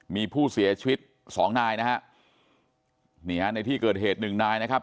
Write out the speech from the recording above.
มีผู้เสียชีวิตสองนายนะฮะนี่ฮะในที่เกิดเหตุหนึ่งนายนะครับ